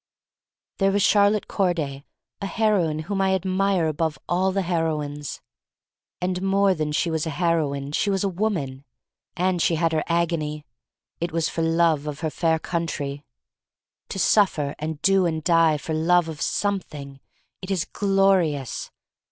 There was Charlotte Corday — a heroine whom I admire above all the heroines. And more than she was a heroine she was a woman. And she had her agony. It was for love of her fair country. To suffer and do and die for love of something! It is glorious!